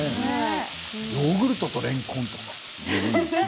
ヨーグルトとれんこん。